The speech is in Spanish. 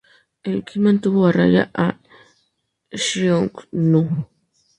El Qin mantuvo a raya al Xiongnu.